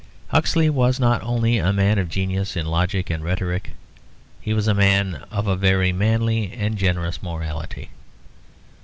Huxley was not only a man of genius in logic and rhetoric; he was a man of a very manly and generous morality.